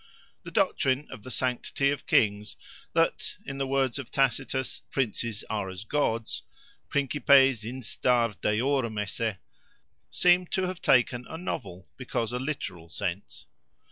The doctrine of the sanctity of kings, that, in the words of Tacitus, Princes are as Gods—Principes instar deorum esse—seemed to have taken a novel, because a literal, sense.